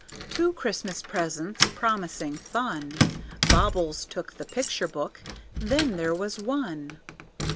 Two Christmas presents, promising fun, Bobbles took the picture book, then there was one.